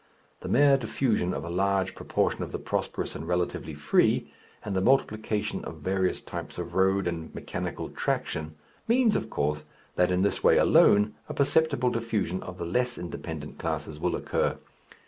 The mere diffusion of a large proportion of the prosperous and relatively free, and the multiplication of various types of road and mechanical traction, means, of course, that in this way alone a perceptible diffusion of the less independent classes will occur.